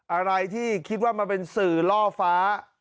อะไรที่คิดว่ามันเป็นสื่อล่อฟ้า